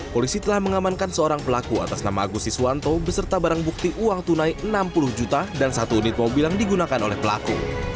polisi telah mengamankan seorang pelaku atas nama agus siswanto beserta barang bukti uang tunai enam puluh juta dan satu unit mobil yang digunakan oleh pelaku